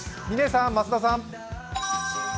嶺さん、増田さん！